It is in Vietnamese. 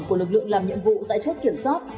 của lực lượng làm nhiệm vụ tại chốt kiểm soát